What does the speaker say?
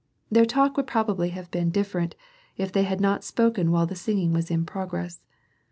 Their talk would probably have been different, if they had not spoken while the singing was in progress.